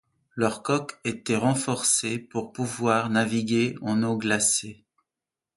Leurs coques étaient renforcées pour pouvoir naviguer en eau glacée.